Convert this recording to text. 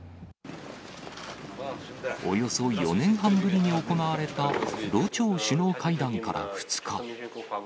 およそ４年半ぶりに行われた、ロ朝首脳会談から２日。